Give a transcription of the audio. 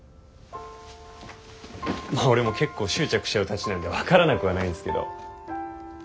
俺も結構執着しちゃうたちなんで分からなくはないんですけど。